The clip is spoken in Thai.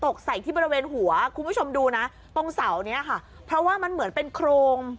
ตกใส่ที่บริเวณหัวคุณผู้ชมดูนะตรงเสาเนี้ยค่ะเพราะว่ามันเหมือนเป็นโครง